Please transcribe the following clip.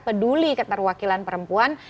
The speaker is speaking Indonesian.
peduli keterwakilan perempuan